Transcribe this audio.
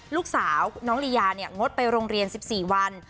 ลูกสาวน้องลียางดไปโรงเรียน๑๔วัน